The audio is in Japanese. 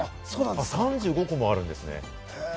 ３５個もあるんですね。